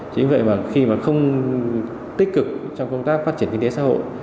chính vậy mà khi mà không tích cực trong công tác phát triển kinh tế xã hội